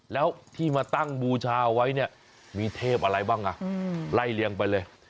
แล้วที่มาตั้งบูชาเอาไว้เนี่ยมีเทพอะไรบ้างอ่ะไล่เลี้ยงไปเลย